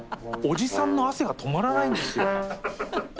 おじさんの汗が止まらないんですよ。